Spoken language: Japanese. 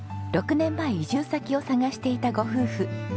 ６年前移住先を探していたご夫婦。